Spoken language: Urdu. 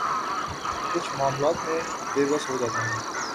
کچھ معاملات میں بے بس ہو جاتا ہوں